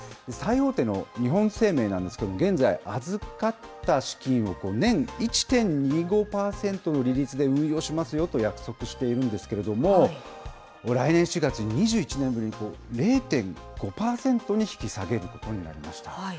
最大手の日本生命なんですけど、現在、預かった資金を、年１．２５％の利率で運用しますよと約束しているんですけれども、来年４月に、２１年ぶりに０．５％に引き下げることになりました。